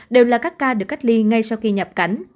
đều là các ca được cách ly ngay sau khi nhập cảnh